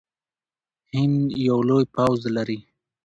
هند یو لوی پوځ لري.